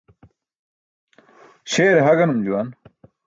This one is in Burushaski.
Śeere ha ganum juwan.